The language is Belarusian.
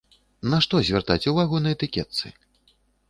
На што звяртаць увагу на этыкетцы?